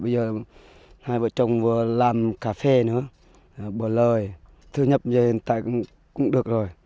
bây giờ hai vợ chồng vừa làm cà phê nữa vừa lời thu nhập về hiện tại cũng được rồi